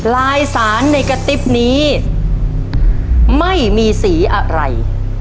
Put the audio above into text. รายสารเนกติฟนี้ไม่มีสีอะไร